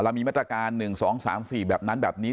เรามีมาตรการ๑๒๓๔แบบนั้นแบบนี้